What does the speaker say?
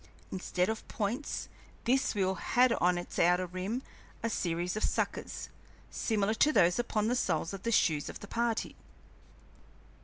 Instead of points, this wheel had on its outer rim a series of suckers, similar to those upon the soles of the shoes of the party.